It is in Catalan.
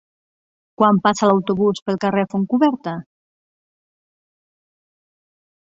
Quan passa l'autobús pel carrer Fontcoberta?